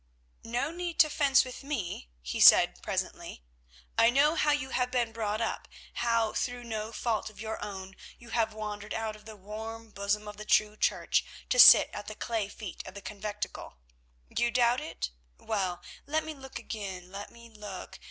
"No need to fence with me," he said presently. "I know how you have been brought up, how through no fault of your own you have wandered out of the warm bosom of the true Church to sit at the clay feet of the conventicle. You doubt it? Well, let me look again, let me look.